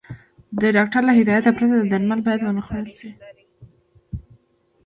د ډاکټر له هدايت پرته درمل بايد ونخوړل شي.